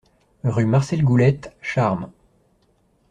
Rue Marcel Goulette, Charmes